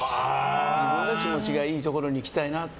自分が気持ちのいいところにいきたいなって。